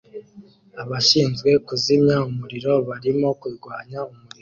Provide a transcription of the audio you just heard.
Abashinzwe kuzimya umuriro barimo kurwanya umuriro